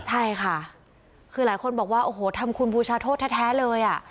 ใช่ค่ะคือหลายคนบอกว่าโอ้โหทำคุณบูชาโทษแท้เลยอ่ะ